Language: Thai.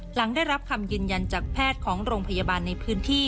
หลังได้รับคำยืนยันจากแพทย์ของโรงพยาบาลในพื้นที่